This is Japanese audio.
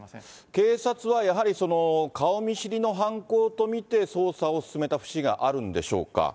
警察はやはり、顔見知りの犯行と見て、捜査を進めた節があるんでしょうか。